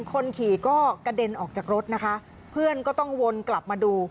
คนขี่ก็กระเด็นออกจากรถนะคะเพื่อนก็ต้องวนกลับมาดู